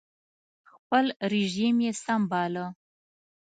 خپل رژیم یې سم باله